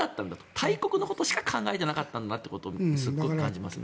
大国のことしか考えていなかったんだということをすごく感じましたね。